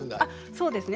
そうですね。